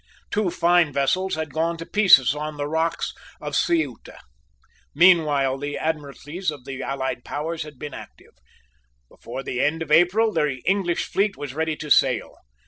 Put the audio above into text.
Two fine vessels had gone to pieces on the rocks of Ceuta. Meanwhile the admiralties of the allied powers had been active. Before the end of April the English fleet was ready to sail.